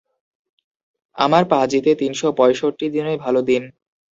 আমার পাঁজিতে তিনশো পঁয়ষট্টি দিনই ভালো দিন।